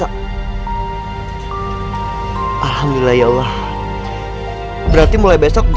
aku belum meninggal